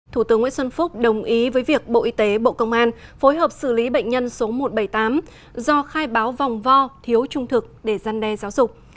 thủ tướng nguyễn xuân phúc đồng ý với việc bộ y tế bộ công an phối hợp xử lý bệnh nhân số một trăm bảy mươi tám do khai báo vòng vo thiếu trung thực để gian đe giáo dục